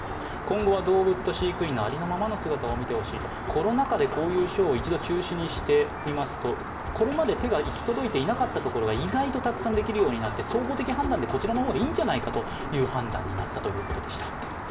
コロナ禍でこういうショーを一度中止にしてみますとこれまで手が行き届いていなかったところが意外とたくさんできるようになって総合的判断でこちらの方がいいんじゃないかという判断になったということでした。